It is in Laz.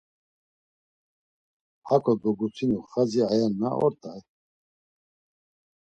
Hako dogutinu xazi ayen na, ort̆ay.